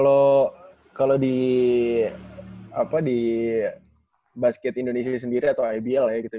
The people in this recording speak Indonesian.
kalau di basket indonesia sendiri atau ibl ya gitu